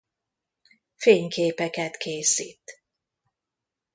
Fényképeket készít.